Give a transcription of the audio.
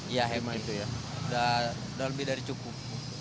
iya happy udah lebih dari cukup